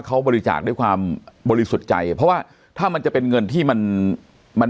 เขาบริจาคด้วยความบริสุทธิ์ใจเพราะว่าถ้ามันจะเป็นเงินที่มันมัน